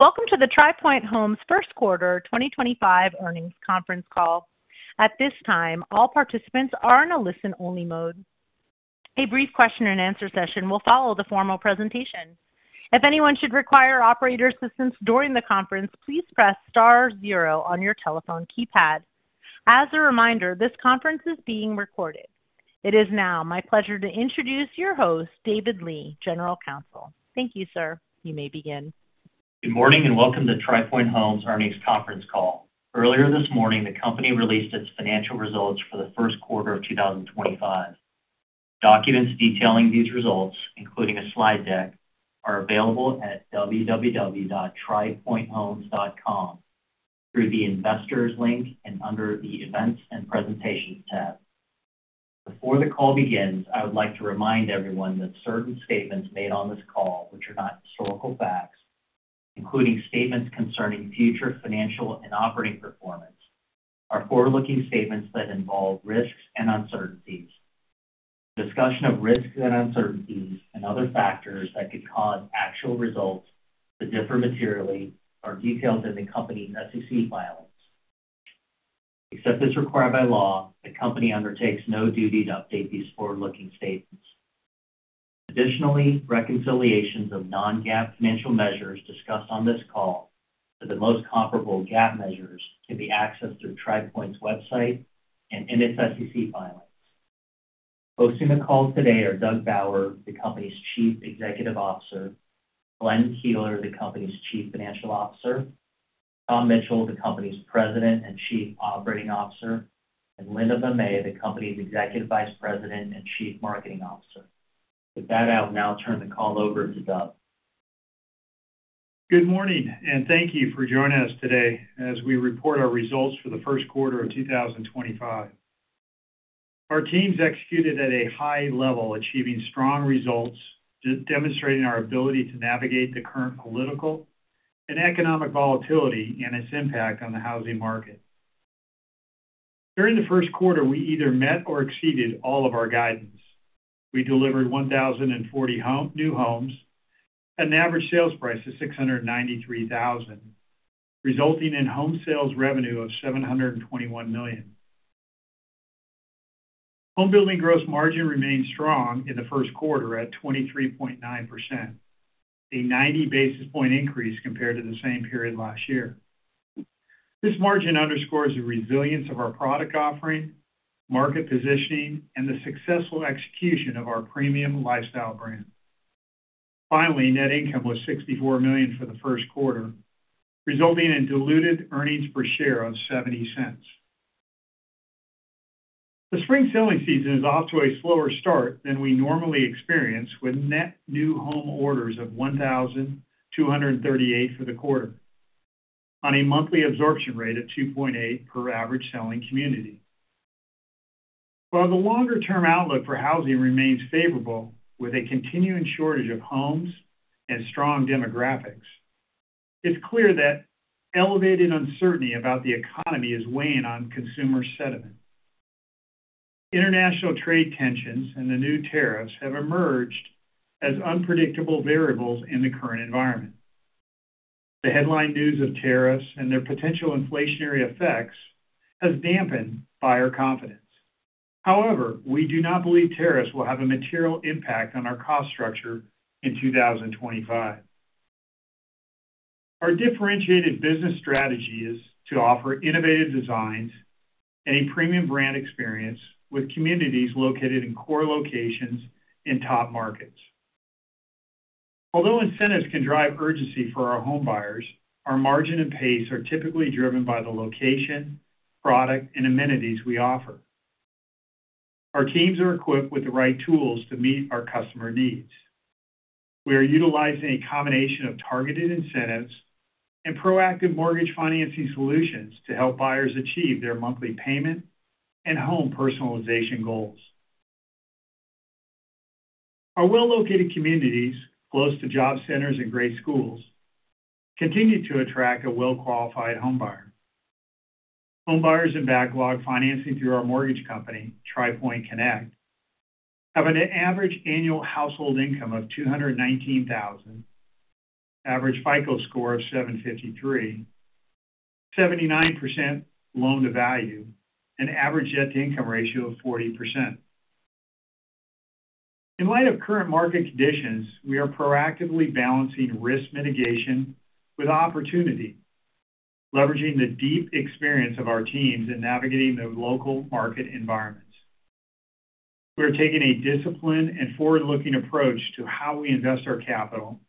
Welcome to the Tri Pointe Homes First Quarter 2025 earnings conference call. At this time, all participants are in a listen-only mode. A brief question-and-answer session will follow the formal presentation. If anyone should require operator assistance during the conference, please press star zero on your telephone keypad. As a reminder, this conference is being recorded. It is now my pleasure to introduce your host, David Lee, General Counsel. Thank you, sir. You may begin. Good morning and welcome to Tri Pointe Homes earnings conference call. Earlier this morning, the company released its financial results for the first quarter of 2025. Documents detailing these results, including a slide deck, are available at www.tripointehomes.com through the Investors link and under the Events and Presentations tab. Before the call begins, I would like to remind everyone that certain statements made on this call, which are not historical facts, including statements concerning future financial and operating performance, are forward-looking statements that involve risks and uncertainties. Discussion of risks and uncertainties and other factors that could cause actual results to differ materially are detailed in the company's SEC filings. Except as required by law, the company undertakes no duty to update these forward-looking statements. Additionally, reconciliations of non-GAAP financial measures discussed on this call to the most comparable GAAP measures can be accessed through Tri Pointe's website and in its SEC filings. Hosting the call today are Doug Bauer, the company's Chief Executive Officer, Glenn Keeler, the company's Chief Financial Officer, Tom Mitchell, the company's President and Chief Operating Officer, and Linda Mamet, the company's Executive Vice President and Chief Marketing Officer. With that, I will now turn the call over to Doug. Good morning and thank you for joining us today as we report our results for the first quarter of 2025. Our team's executed at a high level, achieving strong results, demonstrating our ability to navigate the current political and economic volatility and its impact on the housing market. During the first quarter, we either met or exceeded all of our guidance. We delivered 1,040 new homes, an average sales price of $693,000, resulting in home sales revenue of $721 million. Homebuilding gross margin remained strong in the first quarter at 23.9%, a 90 basis point increase compared to the same period last year. This margin underscores the resilience of our product offering, market positioning, and the successful execution of our premium lifestyle brand. Finally, net income was $64 million for the first quarter, resulting in diluted earnings per share of $0.70. The spring selling season is off to a slower start than we normally experience, with net new home orders of 1,238 for the quarter, on a monthly absorption rate of 2.8 per average selling community. While the longer-term outlook for housing remains favorable, with a continuing shortage of homes and strong demographics, it's clear that elevated uncertainty about the economy is weighing on consumer sentiment. International trade tensions and the new tariffs have emerged as unpredictable variables in the current environment. The headline news of tariffs and their potential inflationary effects has dampened buyer confidence. However, we do not believe tariffs will have a material impact on our cost structure in 2025. Our differentiated business strategy is to offer innovative designs and a premium brand experience with communities located in core locations in top markets. Although incentives can drive urgency for our home buyers, our margin and pace are typically driven by the location, product, and amenities we offer. Our teams are equipped with the right tools to meet our customer needs. We are utilizing a combination of targeted incentives and proactive mortgage financing solutions to help buyers achieve their monthly payment and home personalization goals. Our well-located communities, close to job centers and great schools, continue to attract a well-qualified home buyer. Home buyers in backlog financing through our mortgage company, Tri Pointe Connect, have an average annual household income of $219,000, average FICO score of 753, 79% loan to value, and average debt-to-income ratio of 40%. In light of current market conditions, we are proactively balancing risk mitigation with opportunity, leveraging the deep experience of our teams in navigating the local market environments. We are taking a disciplined and forward-looking approach to how we invest our capital,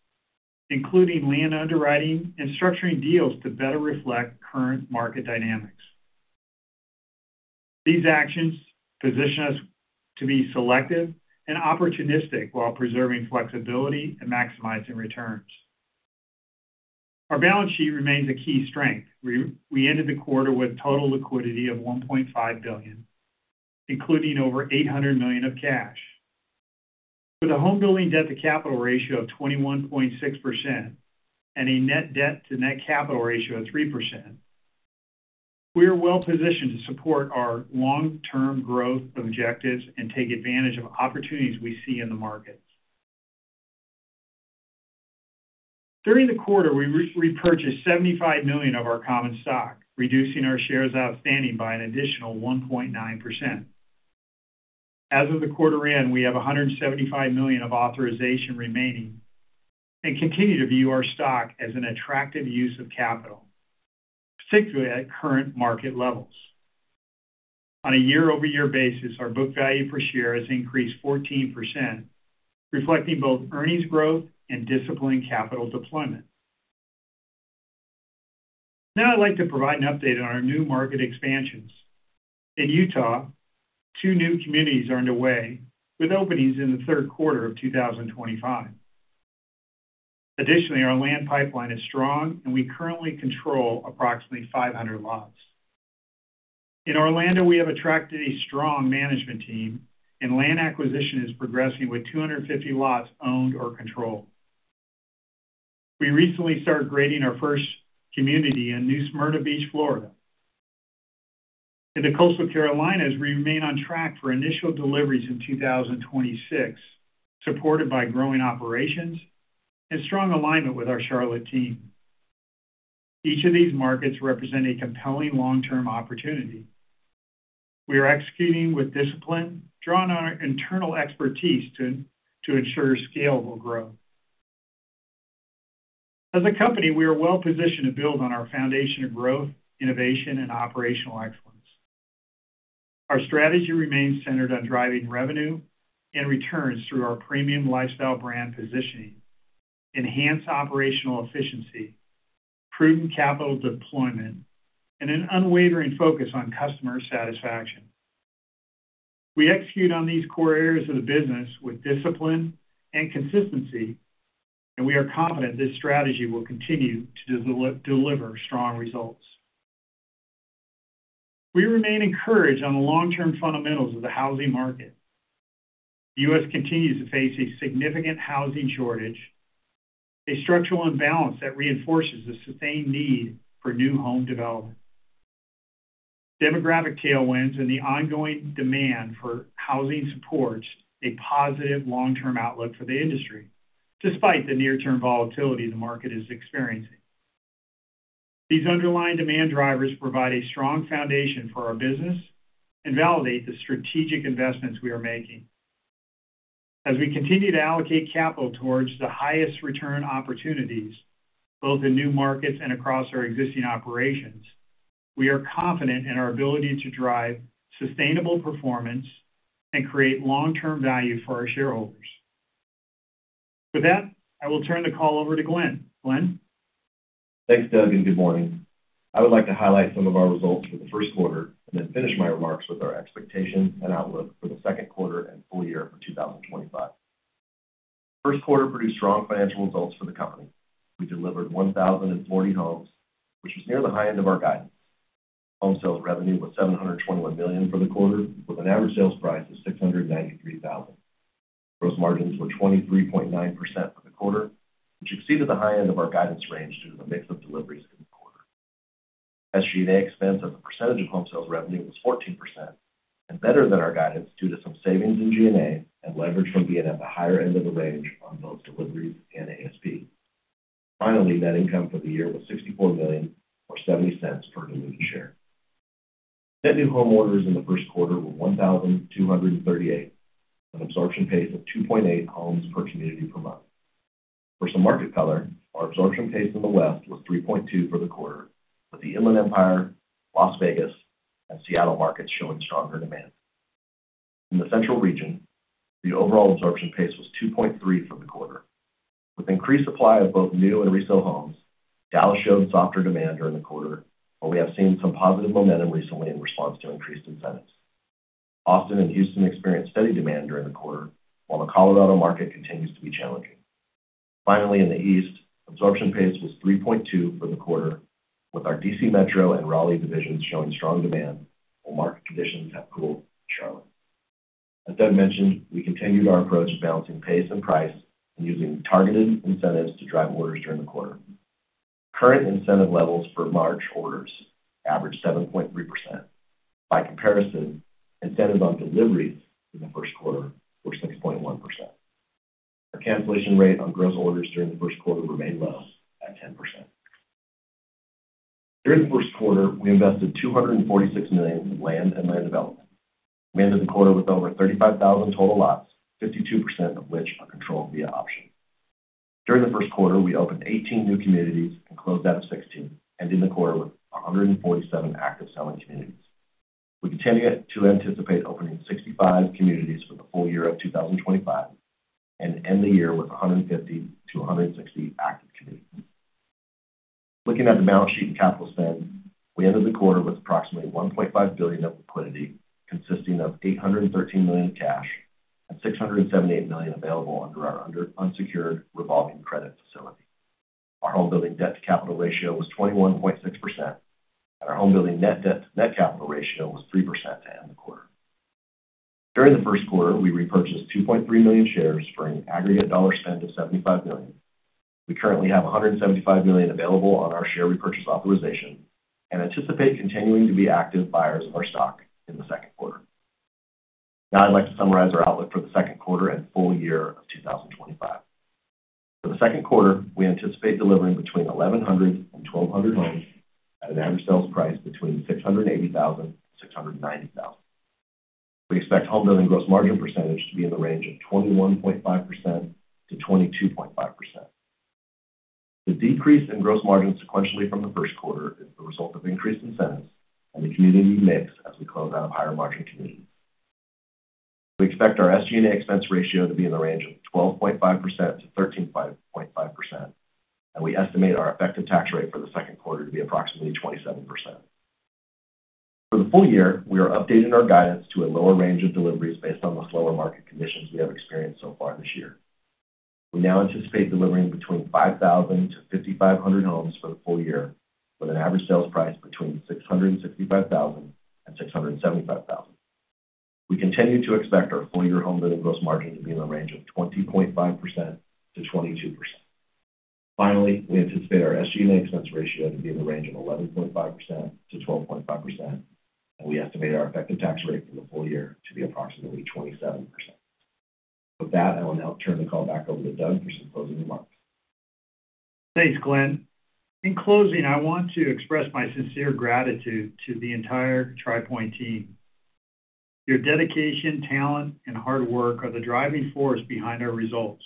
including land underwriting and structuring deals to better reflect current market dynamics. These actions position us to be selective and opportunistic while preserving flexibility and maximizing returns. Our balance sheet remains a key strength. We ended the quarter with a total liquidity of $1.5 billion, including over $800 million of cash. With a homebuilding debt-to-capital ratio of 21.6% and a net debt-to-net capital ratio of 3%, we are well-positioned to support our long-term growth objectives and take advantage of opportunities we see in the markets. During the quarter, we repurchased $75 million of our common stock, reducing our shares outstanding by an additional 1.9%. As of the quarter end, we have $175 million of authorization remaining and continue to view our stock as an attractive use of capital, particularly at current market levels. On a year-over-year basis, our book value per share has increased 14%, reflecting both earnings growth and disciplined capital deployment. Now, I'd like to provide an update on our new market expansions. In Utah, two new communities are underway with openings in the third quarter of 2025. Additionally, our land pipeline is strong, and we currently control approximately 500 lots. In Orlando, we have attracted a strong management team, and land acquisition is progressing with 250 lots owned or controlled. We recently started grading our first community in New Smyrna Beach, Florida. In the coastal Carolinas, we remain on track for initial deliveries in 2026, supported by growing operations and strong alignment with our Charlotte team. Each of these markets represents a compelling long-term opportunity. We are executing with discipline, drawing on our internal expertise to ensure scalable growth. As a company, we are well-positioned to build on our foundation of growth, innovation, and operational excellence. Our strategy remains centered on driving revenue and returns through our premium lifestyle brand positioning, enhanced operational efficiency, prudent capital deployment, and an unwavering focus on customer satisfaction. We execute on these core areas of the business with discipline and consistency, and we are confident this strategy will continue to deliver strong results. We remain encouraged on the long-term fundamentals of the housing market. The U.S. continues to face a significant housing shortage, a structural imbalance that reinforces the sustained need for new home development. Demographic tailwinds and the ongoing demand for housing support a positive long-term outlook for the industry, despite the near-term volatility the market is experiencing. These underlying demand drivers provide a strong foundation for our business and validate the strategic investments we are making. As we continue to allocate capital towards the highest return opportunities, both in new markets and across our existing operations, we are confident in our ability to drive sustainable performance and create long-term value for our shareholders. With that, I will turn the call over to Glenn. Glenn? Thanks, Doug, and good morning. I would like to highlight some of our results for the first quarter and then finish my remarks with our expectations and outlook for the second quarter and full year for 2025. First quarter produced strong financial results for the company. We delivered 1,040 homes, which was near the high end of our guidance. Home sales revenue was $721 million for the quarter, with an average sales price of $693,000. Gross margins were 23.9% for the quarter, which exceeded the high end of our guidance range due to the mix of deliveries in the quarter. SG&A expense as a percentage of home sales revenue was 14% and better than our guidance due to some savings in G&A and leverage from being at the higher end of the range on both deliveries and ASP. Finally, net income for the year was $64 million, or $0.70 per new share. Net new home orders in the first quarter were 1,238, an absorption pace of 2.8 homes per community per month. For some market color, our absorption pace in the West was 3.2 for the quarter, with the Inland Empire, Las Vegas, and Seattle markets showing stronger demand. In the central region, the overall absorption pace was 2.3 for the quarter. With increased supply of both new and resale homes, Dallas showed softer demand during the quarter, but we have seen some positive momentum recently in response to increased incentives. Austin and Houston experienced steady demand during the quarter, while the Colorado market continues to be challenging. Finally, in the East, absorption pace was 3.2 for the quarter, with our DC Metro and Raleigh divisions showing strong demand while market conditions have cooled in Charlotte. As Doug mentioned, we continued our approach of balancing pace and price and using targeted incentives to drive orders during the quarter. Current incentive levels for March orders averaged 7.3%. By comparison, incentives on deliveries in the first quarter were 6.1%. Our cancellation rate on gross orders during the first quarter remained low at 10%. During the first quarter, we invested $246 million in land and land development. We ended the quarter with over 35,000 total lots, 52% of which are controlled via option. During the first quarter, we opened 18 new communities and closed out of 16, ending the quarter with 147 active selling communities. We continue to anticipate opening 65 communities for the full year of 2025 and end the year with 150-160 active communities. Looking at the balance sheet and capital spend, we ended the quarter with approximately $1.5 billion of liquidity, consisting of $813 million of cash and $678 million available under our unsecured revolving credit facility. Our home building debt-to-capital ratio was 21.6%, and our home building net debt-to-net capital ratio was 3% to end the quarter. During the first quarter, we repurchased 2.3 million shares, for an aggregate dollar spend of $75 million. We currently have $175 million available on our share repurchase authorization and anticipate continuing to be active buyers of our stock in the second quarter. Now, I'd like to summarize our outlook for the second quarter and full year of 2025. For the second quarter, we anticipate delivering between 1,100 and 1,200 homes at an average sales price between $680,000 and $690,000. We expect home building gross margin percentage to be in the range of 21.5%-22.5%. The decrease in gross margin sequentially from the first quarter is the result of increased incentives and the community mix as we close out of higher margin communities. We expect our SG&A expense ratio to be in the range of 12.5%-13.5%, and we estimate our effective tax rate for the second quarter to be approximately 27%. For the full year, we are updating our guidance to a lower range of deliveries based on the slower market conditions we have experienced so far this year. We now anticipate delivering between 5,000-5,500 homes for the full year, with an average sales price between $665,000 and $675,000. We continue to expect our full-year homebuilding gross margin to be in the range of 20.5%-22%. Finally, we anticipate our SG&A expense ratio to be in the range of 11.5%-12.5%, and we estimate our effective tax rate for the full year to be approximately 27%. With that, I will now turn the call back over to Doug for some closing remarks. Thanks, Glenn. In closing, I want to express my sincere gratitude to the entire Tri Pointe team. Your dedication, talent, and hard work are the driving force behind our results.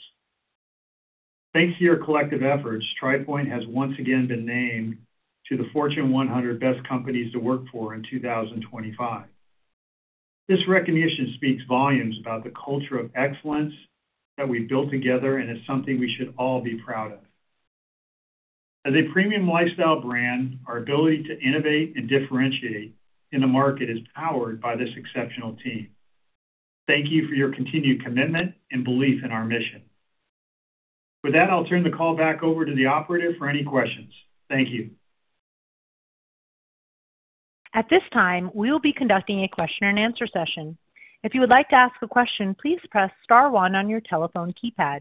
Thanks to your collective efforts, Tri Pointe has once again been named to the Fortune 100 Best Companies to Work For in 2025. This recognition speaks volumes about the culture of excellence that we've built together and is something we should all be proud of. As a premium lifestyle brand, our ability to innovate and differentiate in the market is powered by this exceptional team. Thank you for your continued commitment and belief in our mission. With that, I'll turn the call back over to the operator for any questions. Thank you. At this time, we will be conducting a question-and-answer session. If you would like to ask a question, please press star one on your telephone keypad.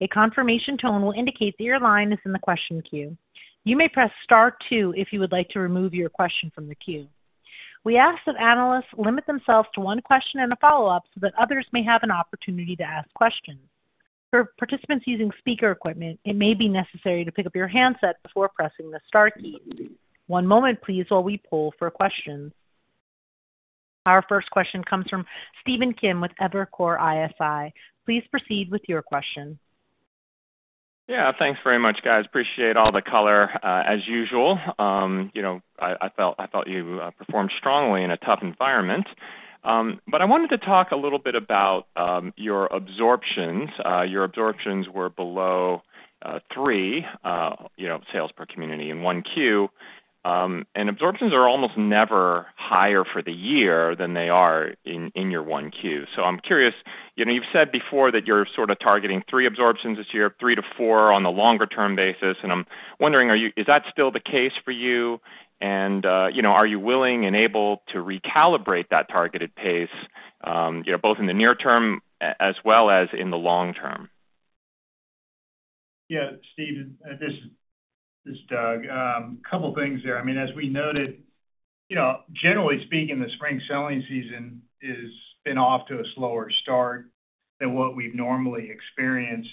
A confirmation tone will indicate that your line is in the question queue. You may press star two if you would like to remove your question from the queue. We ask that analysts limit themselves to one question and a follow-up so that others may have an opportunity to ask questions. For participants using speaker equipment, it may be necessary to pick up your handset before pressing the star key. One moment, please, while we pull for questions. Our first question comes from Stephen Kim with Evercore ISI. Please proceed with your question. Yeah, thanks very much, guys. Appreciate all the color, as usual. I felt you performed strongly in a tough environment. I wanted to talk a little bit about your absorptions. Your absorptions were below three sales per community in Q1. Absorptions are almost never higher for the year than they are in your Q1. I'm curious, you've said before that you're sort of targeting three absorptions this year, three to four on the longer-term basis. I'm wondering, is that still the case for you? Are you willing and able to recalibrate that targeted pace, both in the near term as well as in the long term? Yeah, Steve, this is Doug. A couple of things there. I mean, as we noted, generally speaking, the spring selling season has been off to a slower start than what we've normally experienced.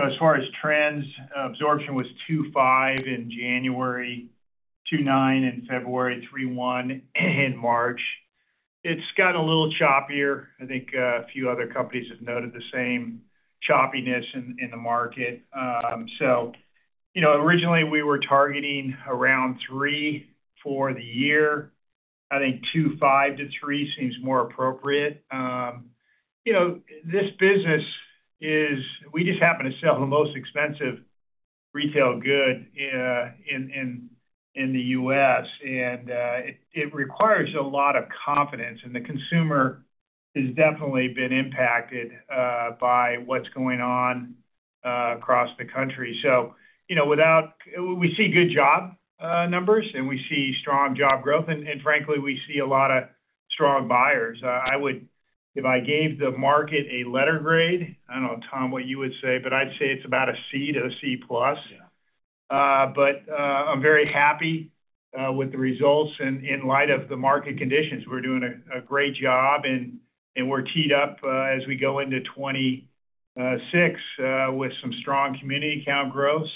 As far as trends, absorption was 2.5 in January, 2.9 in February, 3.1 in March. It's gotten a little choppier. I think a few other companies have noted the same choppiness in the market. Originally, we were targeting around 3 for the year. I think 2.5-3 seems more appropriate. This business, we just happen to sell the most expensive retail good in the U.S. It requires a lot of confidence. The consumer has definitely been impacted by what's going on across the country. We see good job numbers, and we see strong job growth. Frankly, we see a lot of strong buyers. If I gave the market a letter grade, I do not know, Tom, what you would say, but I would say it is about a C to a C-plus. I am very happy with the results in light of the market conditions. We are doing a great job, and we are teed up as we go into 2026 with some strong community account growth.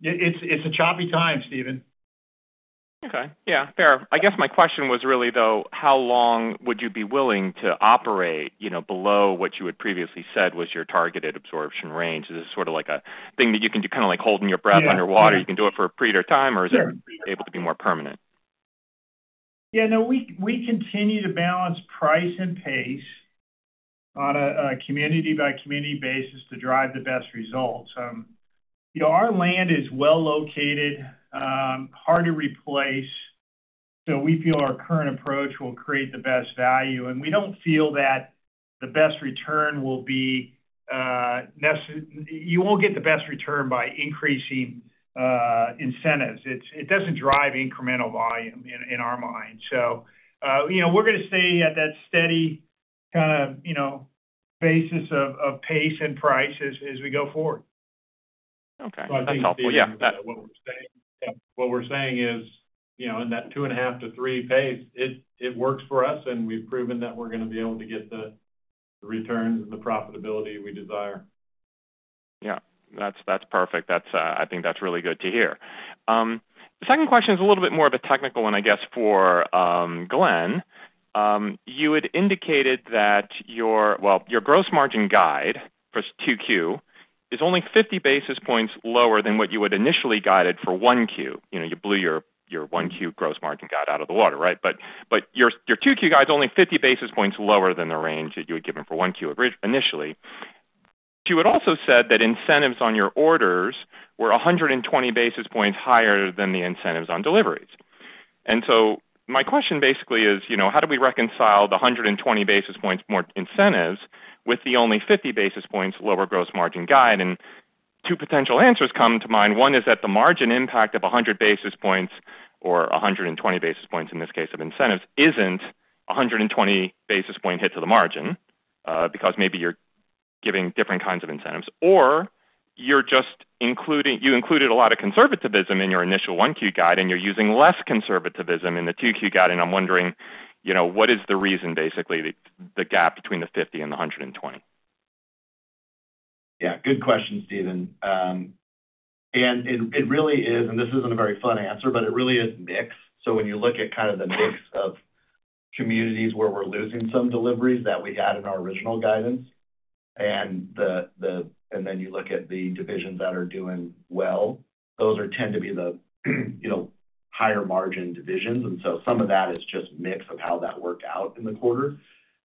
It is a choppy time, Stephen. Okay. Yeah, fair. I guess my question was really, though, how long would you be willing to operate below what you had previously said was your targeted absorption range? Is this sort of like a thing that you can do kind of like holding your breath underwater? You can do it for a period of time, or is it able to be more permanent? Yeah, no, we continue to balance price and pace on a community-by-community basis to drive the best results. Our land is well located, hard to replace, so we feel our current approach will create the best value. We do not feel that the best return will be you will not get the best return by increasing incentives. It does not drive incremental volume in our mind. We are going to stay at that steady kind of basis of pace and price as we go forward. Okay. That's helpful. Yeah. I think what we're saying is in that 2.5-3 pace, it works for us, and we've proven that we're going to be able to get the returns and the profitability we desire. Yeah. That's perfect. I think that's really good to hear. The second question is a little bit more of a technical one, I guess, for Glenn. You had indicated that your, well, your gross margin guide for 2Q is only 50 basis points lower than what you had initially guided for 1Q. You blew your 1Q gross margin guide out of the water, right? Your 2Q guide is only 50 basis points lower than the range that you had given for 1Q initially. You had also said that incentives on your orders were 120 basis points higher than the incentives on deliveries. My question basically is, how do we reconcile the 120 basis points more incentives with the only 50 basis points lower gross margin guide? Two potential answers come to mind. One is that the margin impact of 100 basis points, or 120 basis points in this case of incentives, is not a 120 basis points hit to the margin because maybe you are giving different kinds of incentives or you jusst included a lot of conservatism in your initial Q1 guide, and you are using less conservatism in the Q2 guide. I am wondering, what is the reason, basically, the gap between the 50 and the 120? Yeah. Good question, Stephen. It really is, and this is not a very fun answer, but it really is a mix. When you look at kind of the mix of communities where we're losing some deliveries that we had in our original guidance, and then you look at the divisions that are doing well, those tend to be the higher margin divisions. Some of that is just mix of how that worked out in the quarter.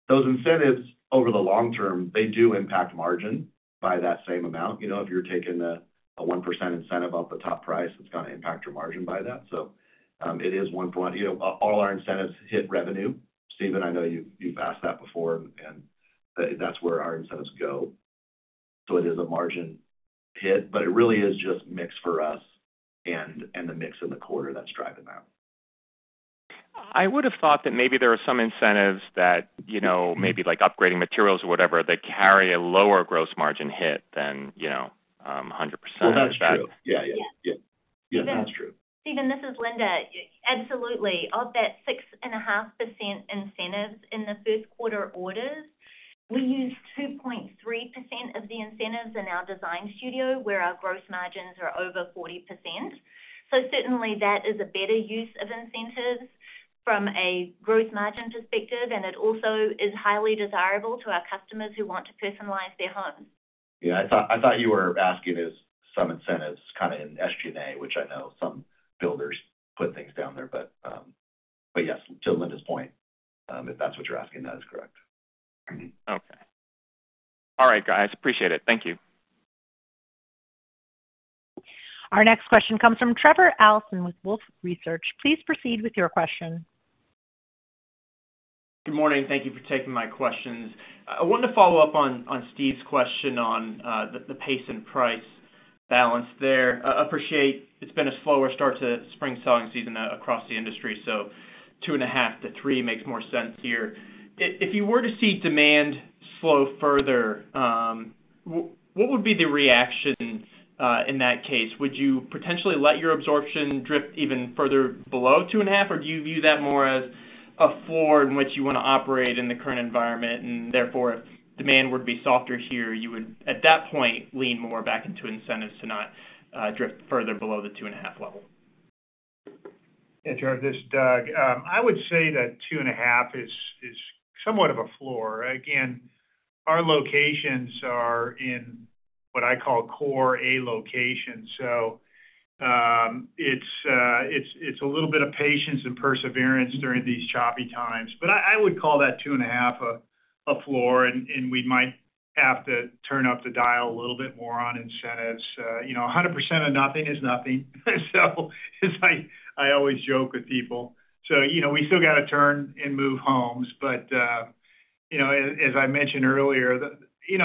Those incentives over the long term, they do impact margin by that same amount. If you're taking a 1% incentive off the top price, it's going to impact your margin by that. It is one point. All our incentives hit revenue. Stephen, I know you've asked that before, and that's where our incentives go. It is a margin hit, but it really is just mix for us and the mix in the quarter that's driving that. I would have thought that maybe there are some incentives that maybe like upgrading materials or whatever that carry a lower gross margin hit than 100%. That's true. Yeah, that's true. Stephen, this is Linda. Absolutely. Of that 6.5% incentives in the first quarter orders, we used 2.3% of the incentives in our design studio where our gross margins are over 40%. Certainly, that is a better use of incentives from a gross margin perspective, and it also is highly desirable to our customers who want to personalize their homes. Yeah. I thought you were asking some incentives kind of in SG&A, which I know some builders put things down there. Yes, to Linda's point, if that's what you're asking, that is correct. Okay. All right, guys. Appreciate it. Thank you. Our next question comes from Trevor Allinson with Wolfe Research. Please proceed with your question. Good morning. Thank you for taking my questions. I wanted to follow up on Steve's question on the pace and price balance there. Appreciate it's been a slower start to spring selling season across the industry, so 2.5-3 makes more sense here. If you were to see demand slow further, what would be the reaction in that case? Would you potentially let your absorption drift even further below 2.5, or do you view that more as a floor in which you want to operate in the current environment? Therefore, if demand were to be softer here, you would, at that point, lean more back into incentives to not drift further below the 2.5 level? Yeah, George, this is Doug. I would say that 2.5 is somewhat of a floor. Again, our locations are in what I call Core A location. It is a little bit of patience and perseverance during these choppy times. I would call that 2.5 a floor, and we might have to turn up the dial a little bit more on incentives. 100% of nothing is nothing. I always joke with people. We still got to turn and move homes. As I mentioned earlier, it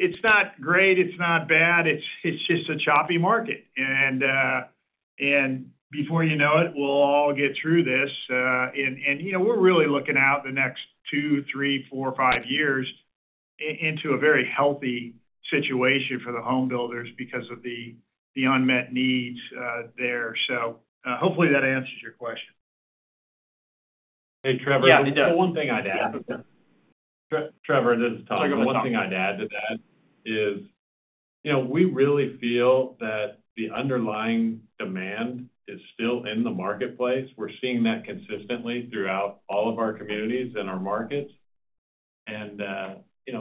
is not great. It is not bad. It is just a choppy market. Before you know it, we will all get through this. We are really looking out the next two, three, four, five years into a very healthy situation for the home builders because of the unmet needs there. Hopefully, that answers your question. Hey, Trevor. Yeah. One thing I'd add, Trevor, this is Tom. One thing I'd add to that is we really feel that the underlying demand is still in the marketplace. We're seeing that consistently throughout all of our communities and our markets.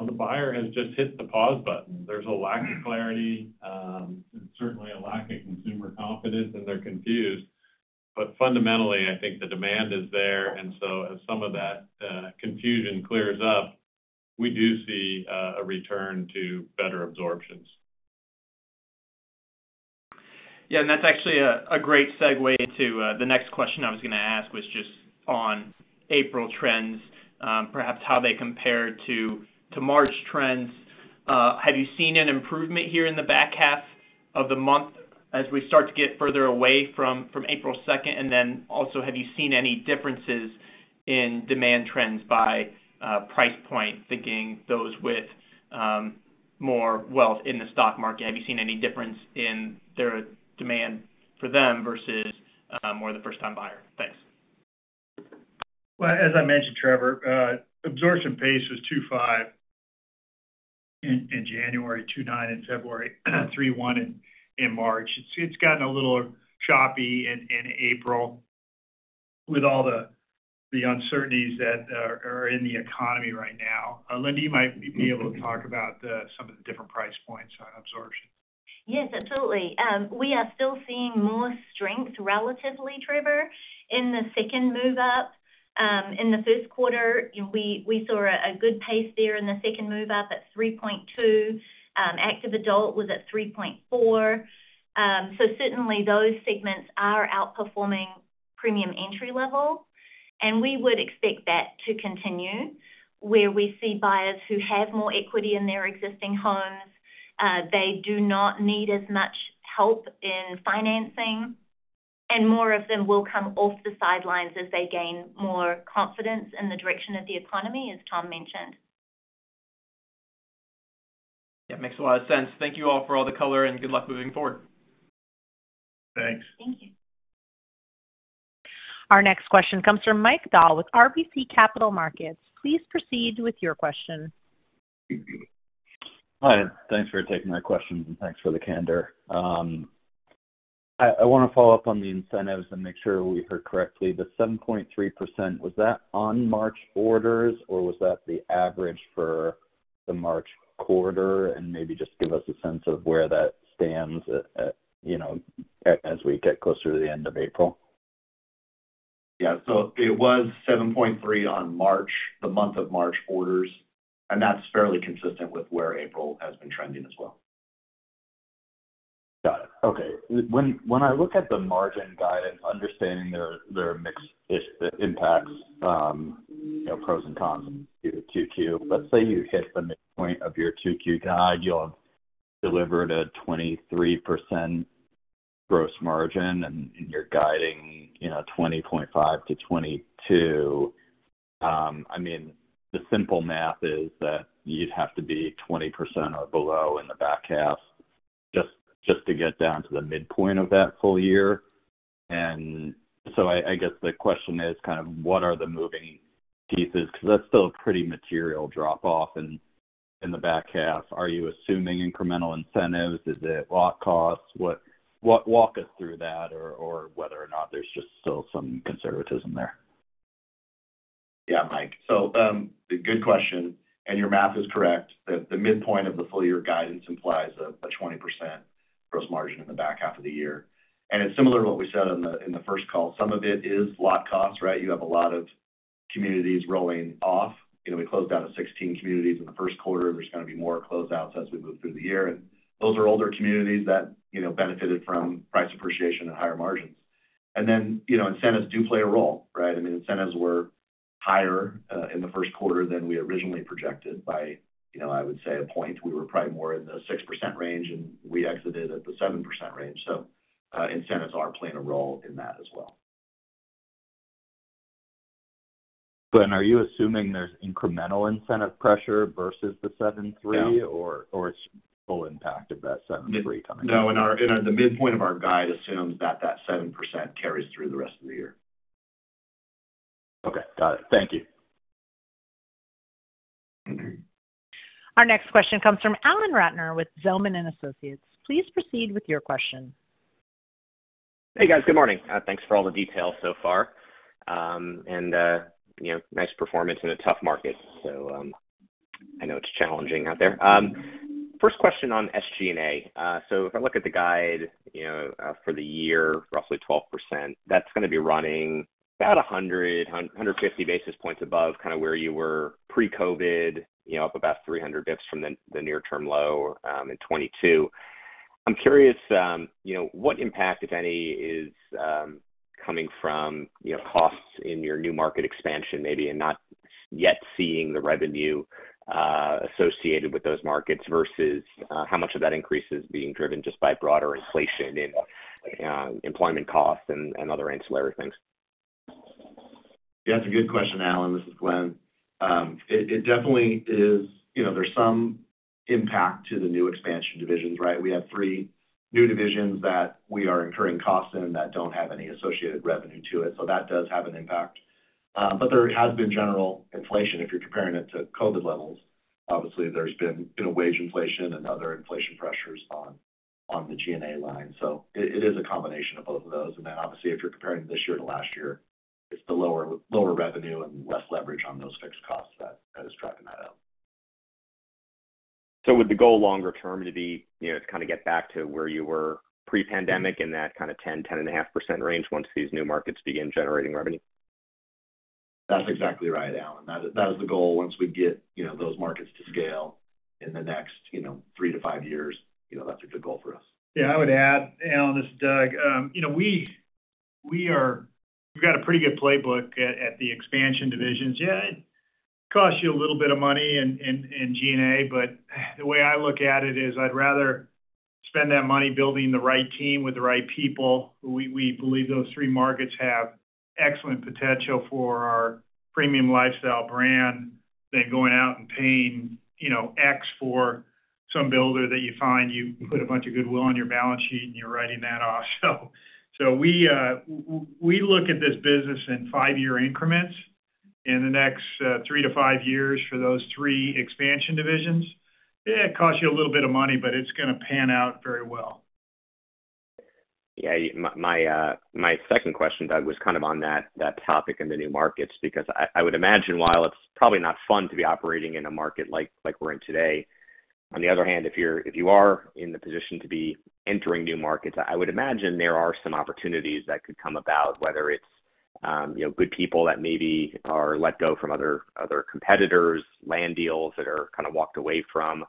The buyer has just hit the pause button. There's a lack of clarity and certainly a lack of consumer confidence, and they're confused. Fundamentally, I think the demand is there. As some of that confusion clears up, we do see a return to better absorptions. Yeah. That is actually a great segue into the next question I was going to ask, which was just on April trends, perhaps how they compare to March trends. Have you seen an improvement here in the back half of the month as we start to get further away from April 2nd? Also, have you seen any differences in demand trends by price point, thinking those with more wealth in the stock market? Have you seen any difference in their demand for them versus more the first-time buyer? Thanks. As I mentioned, Trevor, absorption pace was 2.5 in January, 2.9 in February, 3.1 in March. It's gotten a little choppy in April with all the uncertainties that are in the economy right now. Linda, you might be able to talk about some of the different price points on absorption. Yes, absolutely. We are still seeing more strength relatively, Trevor, in the second move-up. In the first quarter, we saw a good pace there in the second move-up at 3.2. Active Adult was at 3.4. Those segments are outperforming Premium Entry Level. We would expect that to continue where we see buyers who have more equity in their existing homes. They do not need as much help in financing. More of them will come off the sidelines as they gain more confidence in the direction of the economy, as Tom mentioned. Yeah. Makes a lot of sense. Thank you all for all the color and good luck moving forward. Thanks. Thank you. Our next question comes from Mike Dahl with RBC Capital Markets. Please proceed with your question. Hi. Thanks for taking my question, and thanks for the candor. I want to follow up on the incentives and make sure we heard correctly. The 7.3%, was that on March orders, or was that the average for the March quarter? Maybe just give us a sense of where that stands as we get closer to the end of April. Yeah. It was 7.3 on March, the month of March orders. That is fairly consistent with where April has been trending as well. Got it. Okay. When I look at the margin guidance, understanding there are mixed impacts, pros and cons of 2Q, let's say you hit the midpoint of your 2Q guide, you'll have delivered a 23% gross margin, and you're guiding 20.5%-22%. I mean, the simple math is that you'd have to be 20% or below in the back half just to get down to the midpoint of that full year. I guess the question is kind of what are the moving pieces? Because that's still a pretty material drop-off in the back half. Are you assuming incremental incentives? Is it lot costs? Walk us through that or whether or not there's just still some conservatism there. Yeah, Mike. Good question. Your math is correct. The midpoint of the full year guidance implies a 20% gross margin in the back half of the year. It is similar to what we said in the first call. Some of it is lock costs, right? You have a lot of communities rolling off. We closed down to 16 communities in the first quarter. There is going to be more closeouts as we move through the year. Those are older communities that benefited from price appreciation and higher margins. Incentives do play a role, right? I mean, incentives were higher in the first quarter than we originally projected by, I would say, a point. We were probably more in the 6% range, and we exited at the 7% range. Incentives are playing a role in that as well. Glenn, are you assuming there's incremental incentive pressure versus the 7.3, or it's full impact of that 7.3 coming in? No. The midpoint of our guide assumes that that 7% carries through the rest of the year. Okay. Got it. Thank you. Our next question comes from Alan Ratner with Zelman & Associates. Please proceed with your question. Hey, guys. Good morning. Thanks for all the details so far. Nice performance in a tough market. I know it's challenging out there. First question on SG&A. If I look at the guide for the year, roughly 12%, that's going to be running about 100-150 basis points above kind of where you were pre-COVID, up about 300 basis points from the near-term low in 2022. I'm curious, what impact, if any, is coming from costs in your new market expansion, maybe, and not yet seeing the revenue associated with those markets versus how much of that increase is being driven just by broader inflation in employment costs and other ancillary things? Yeah. That's a good question, Alan. This is Glenn. It definitely is there's some impact to the new expansion divisions, right? We have three new divisions that we are incurring costs in that don't have any associated revenue to it. That does have an impact. There has been general inflation if you're comparing it to COVID levels. Obviously, there's been wage inflation and other inflation pressures on the G&A line. It is a combination of both of those. If you're comparing this year to last year, it's the lower revenue and less leverage on those fixed costs that is driving that up. Would the goal longer term be to kind of get back to where you were pre-pandemic in that 10-10.5% range once these new markets begin generating revenue? That's exactly right, Alan. That is the goal once we get those markets to scale in the next three to five years. That's a good goal for us. Yeah. I would add, Alan, this is Doug. We've got a pretty good playbook at the expansion divisions. Yeah, it costs you a little bit of money in G&A, but the way I look at it is I'd rather spend that money building the right team with the right people. We believe those three markets have excellent potential for our premium lifestyle brand than going out and paying X for some builder that you find you put a bunch of goodwill on your balance sheet and you're writing that off. We look at this business in five-year increments in the next three to five years for those three expansion divisions. Yeah, it costs you a little bit of money, but it's going to pan out very well. Yeah. My second question, Doug, was kind of on that topic and the new markets because I would imagine, while it's probably not fun to be operating in a market like we're in today, on the other hand, if you are in the position to be entering new markets, I would imagine there are some opportunities that could come about, whether it's good people that maybe are let go from other competitors, land deals that are kind of walked away from.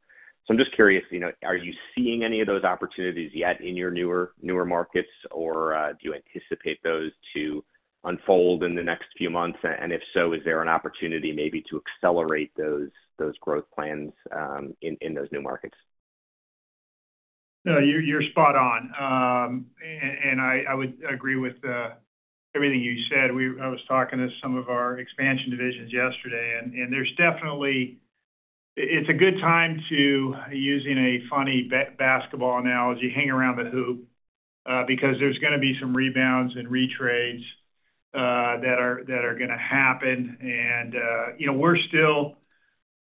I am just curious, are you seeing any of those opportunities yet in your newer markets, or do you anticipate those to unfold in the next few months? If so, is there an opportunity maybe to accelerate those growth plans in those new markets? No, you're spot on. I would agree with everything you said. I was talking to some of our expansion divisions yesterday, and it's definitely a good time to, using a funny basketball analogy, hang around the hoop because there's going to be some rebounds and retrades that are going to happen. We're still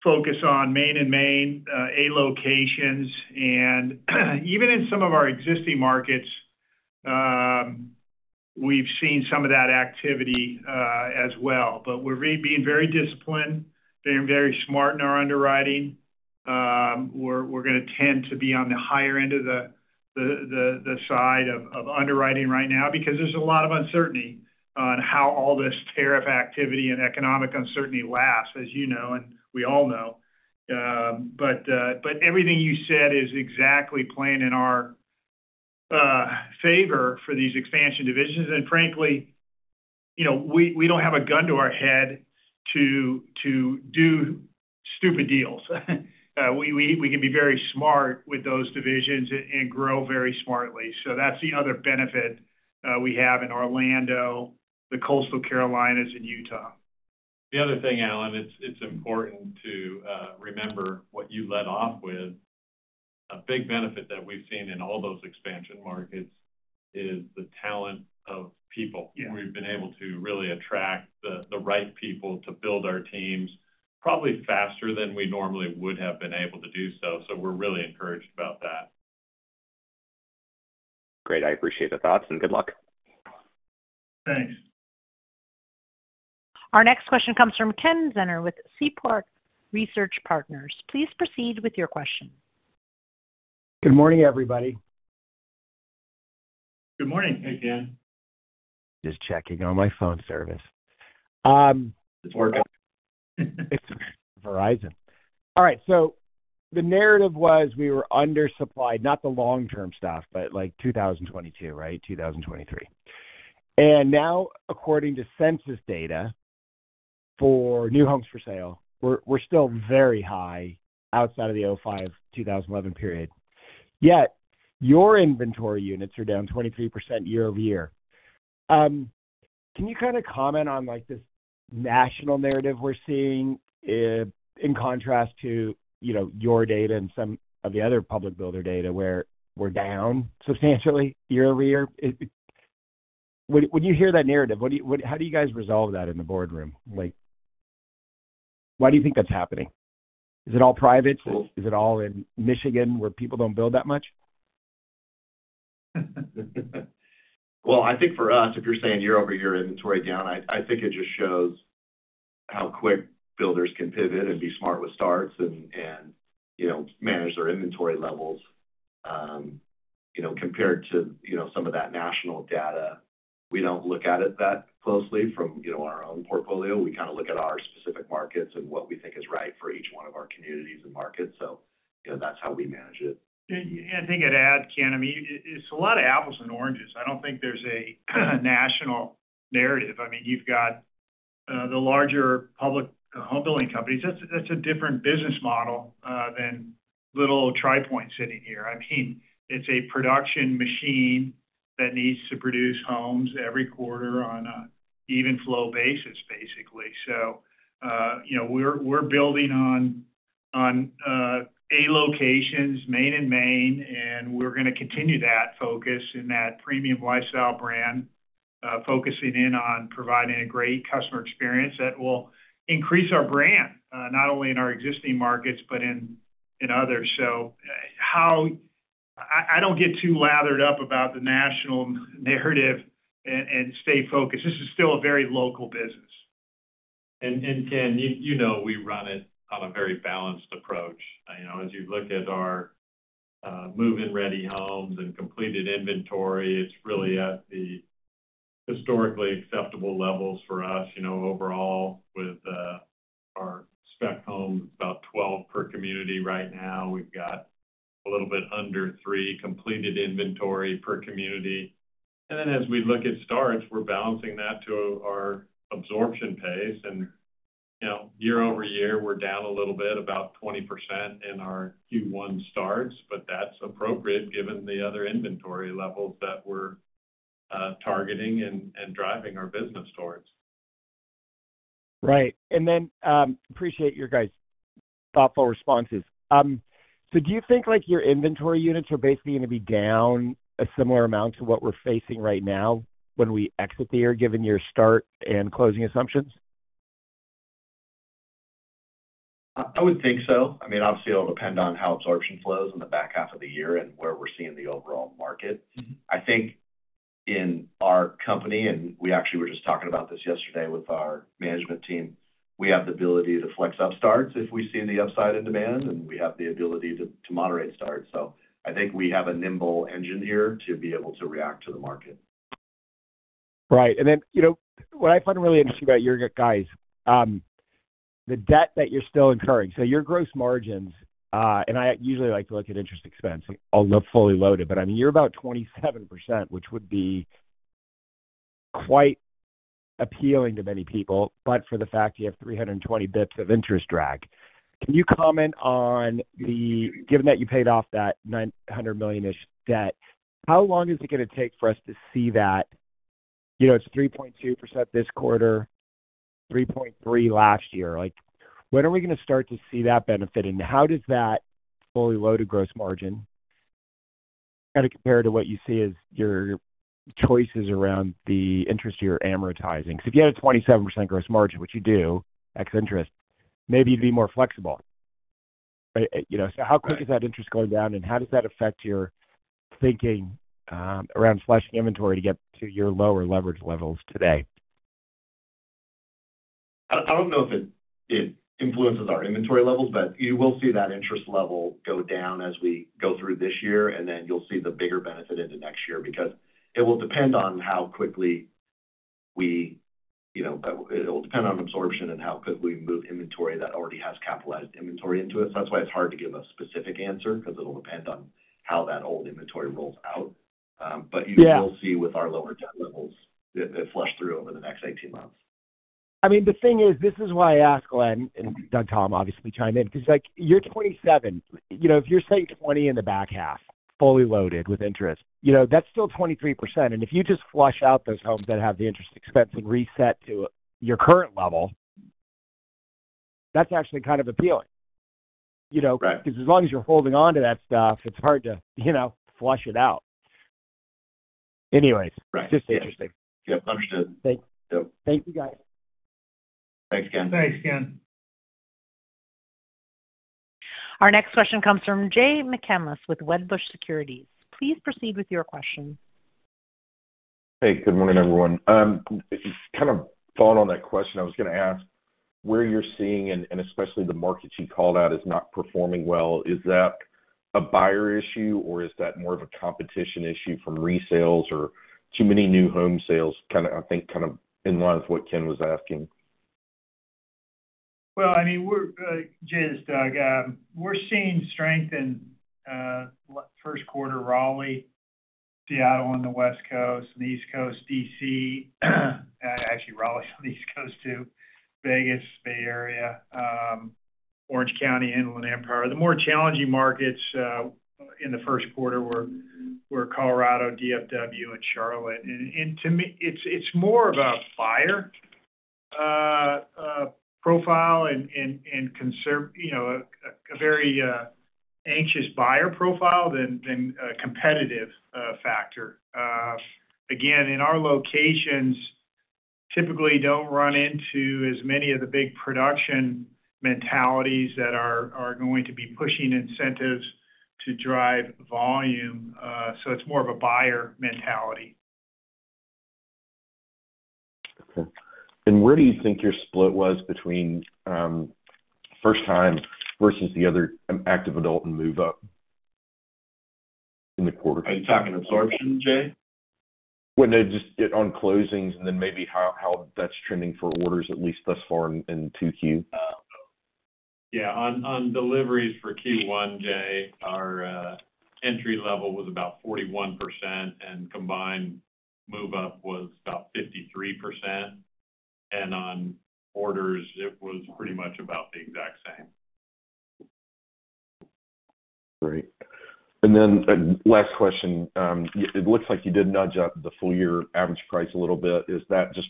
focused on main and main A locations. Even in some of our existing markets, we've seen some of that activity as well. We're being very disciplined, being very smart in our underwriting. We're going to tend to be on the higher end of the side of underwriting right now because there's a lot of uncertainty on how all this tariff activity and economic uncertainty lasts, as you know, and we all know. Everything you said is exactly playing in our favor for these expansion divisions. Frankly, we don't have a gun to our head to do stupid deals. We can be very smart with those divisions and grow very smartly. That's the other benefit we have in Orlando, the coastal Carolinas, and Utah. The other thing, Alan, it's important to remember what you led off with. A big benefit that we've seen in all those expansion markets is the talent of people. We've been able to really attract the right people to build our teams probably faster than we normally would have been able to do so. We're really encouraged about that. Great. I appreciate the thoughts and good luck. Thanks. Our next question comes from Ken Zener with Seaport Research Partners. Please proceed with your question. Good morning, everybody. Good morning. Hey, Ken. Just checking on my phone service. It's working. It's Verizon. All right. The narrative was we were undersupplied, not the long-term stuff, but like 2022, right? 2023. Now, according to census data for new homes for sale, we're still very high outside of the 2005-2011 period. Yet your inventory units are down 23% year over year. Can you kind of comment on this national narrative we're seeing in contrast to your data and some of the other public builder data where we're down substantially year over year? When you hear that narrative, how do you guys resolve that in the boardroom? Why do you think that's happening? Is it all private? Is it all in Michigan where people do not build that much? I think for us, if you're saying year over year inventory down, I think it just shows how quick builders can pivot and be smart with starts and manage their inventory levels. Compared to some of that national data, we don't look at it that closely from our own portfolio. We kind of look at our specific markets and what we think is right for each one of our communities and markets. That is how we manage it. Yeah. I think I'd add, Ken, I mean, it's a lot of apples and oranges. I don't think there's a national narrative. I mean, you've got the larger public home-building companies. That's a different business model than little Tri Pointe sitting here. I mean, it's a production machine that needs to produce homes every quarter on an even flow basis, basically. We're building on A locations, main and main, and we're going to continue that focus in that premium lifestyle brand, focusing in on providing a great customer experience that will increase our brand not only in our existing markets but in others. I don't get too lathered up about the national narrative and stay focused. This is still a very local business. Ken, you know we run it on a very balanced approach. As you look at our move-in ready homes and completed inventory, it's really at the historically acceptable levels for us overall with our spec homes, about 12 per community right now. We've got a little bit under three completed inventory per community. As we look at starts, we're balancing that to our absorption pace. Year over year, we're down a little bit, about 20% in our Q1 starts, but that's appropriate given the other inventory levels that we're targeting and driving our business towards. Right. I appreciate your guys' thoughtful responses. Do you think your inventory units are basically going to be down a similar amount to what we are facing right now when we exit the year, given your start and closing assumptions? I would think so. I mean, obviously, it will depend on how absorption flows in the back half of the year and where we are seeing the overall market. I think in our company, and we actually were just talking about this yesterday with our management team, we have the ability to flex up starts if we see the upside in demand, and we have the ability to moderate starts. I think we have a nimble engine here to be able to react to the market. Right. What I find really interesting about your guys, the debt that you're still incurring. Your gross margins, and I usually like to look at interest expense. I'll fully load it. I mean, you're about 27%, which would be quite appealing to many people, but for the fact you have 320 basis points of interest drag. Can you comment on the given that you paid off that $900 million-ish debt, how long is it going to take for us to see that? It's 3.2% this quarter, 3.3% last year. When are we going to start to see that benefit? How does that fully loaded gross margin kind of compare to what you see as your choices around the interest you're amortizing? Because if you had a 27% gross margin, which you do, ex interest, maybe you'd be more flexible. How quick is that interest going down, and how does that affect your thinking around fleshing inventory to get to your lower leverage levels today? I don't know if it influences our inventory levels, but you will see that interest level go down as we go through this year, and then you'll see the bigger benefit into next year because it will depend on how quickly we, it will depend on absorption and how quickly we move inventory that already has capitalized inventory into it. That's why it's hard to give a specific answer because it'll depend on how that old inventory rolls out. You will see with our lower debt levels, it flushed through over the next 18 months. I mean, the thing is, this is why I ask Glenn and Doug, Tom, obviously, chime in because you're 27. If you're saying 20 in the back half, fully loaded with interest, that's still 23%. And if you just flush out those homes that have the interest expense and reset to your current level, that's actually kind of appealing because as long as you're holding on to that stuff, it's hard to flush it out. Anyways, just interesting. Yeah. Understood. Thank you, guys. Thanks, Ken. Thanks, Ken. Our next question comes from Jay McCanless with Wedbush Securities. Please proceed with your question. Hey, good morning, everyone. Kind of following on that question, I was going to ask where you're seeing, and especially the markets you called out as not performing well. Is that a buyer issue, or is that more of a competition issue from resales or too many new home sales? I think kind of in line with what Ken was asking. I mean, Jay and Doug, we're seeing strength in first quarter Raleigh, Seattle on the West Coast, and East Coast, DC. Actually, Raleigh on the East Coast too. Vegas, Bay Area, Orange County, Inland Empire. The more challenging markets in the first quarter were Colorado, DFW, and Charlotte. To me, it's more of a buyer profile and a very anxious buyer profile than a competitive factor. Again, in our locations, typically don't run into as many of the big production mentalities that are going to be pushing incentives to drive volume. It's more of a buyer mentality. Okay. Where do you think your split was between first time versus the other active adult and move-up in the quarter? Are you talking absorption, Jay? Just on closings and then maybe how that's trending for orders, at least thus far in Q2. Yeah. On deliveries for Q1, Jay, our entry level was about 41%, and combined move-up was about 53%. On orders, it was pretty much about the exact same. Great. Then last question, it looks like you did nudge up the full year average price a little bit. Is that just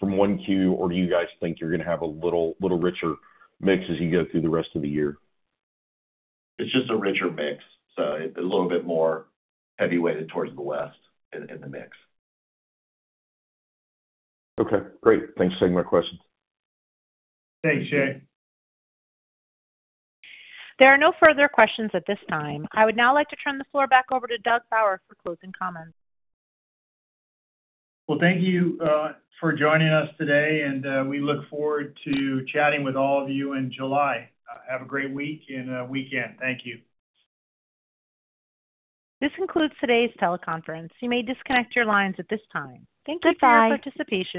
from one Q, or do you guys think you're going to have a little richer mix as you go through the rest of the year? It's just a richer mix. A little bit more heavyweighted towards the left in the mix. Okay. Great. Thanks for taking my questions. Thanks, Jay. There are no further questions at this time. I would now like to turn the floor back over to Doug Bauer for closing comments. Thank you for joining us today, and we look forward to chatting with all of you in July. Have a great week and weekend. Thank you. This concludes today's teleconference. You may disconnect your lines at this time. Thank you for your participation.